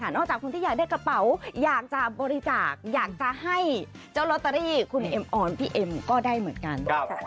นอกจากคนที่อยากได้กระเป๋าอยากจะบริจาคอยากจะให้เจ้าลอตเตอรี่คุณเอ็มออนพี่เอ็มก็ได้เหมือนกัน